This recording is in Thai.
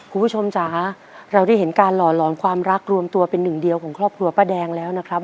คุณผู้ชมจ๋าเราได้เห็นการหล่อหลอนความรักรวมตัวเป็นหนึ่งเดียวของครอบครัวป้าแดงแล้วนะครับ